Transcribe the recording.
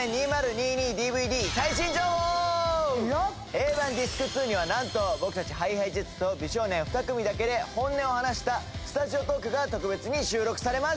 Ａ盤Ｄｉｓｃ２にはなんと僕たちＨｉＨｉＪｅｔｓと美少年２組だけで本音を話したスタジオトークが特別に収録されます！